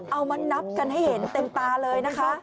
เอามานับกันให้เห็นเต็มตาเลยนะคะ